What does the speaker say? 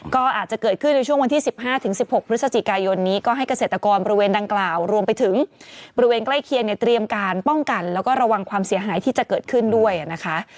ก็อาจจะเกิดขึ้นในช่วงวันที่๑๕๑๖พฤศจิกายนนี้ก็ให้เกษตรกรบริเวณดังกล่าวรวมไปถึงบริเวณใกล้เคียงเนี่ยเตรียมการป้องกันแล้วก็ระวังความเสียหายที่จะเกิดขึ้นด้วยนะคะ